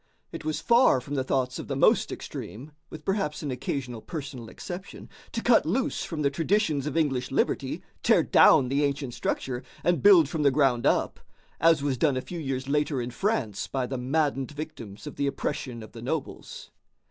It was far from the thoughts of the most extreme, with perhaps an occasional personal exception, to cut loose from the traditions of English liberty, tear down the ancient structure, and build from the ground up, as was done a few years later in France by the maddened victims of the oppression of the nobles.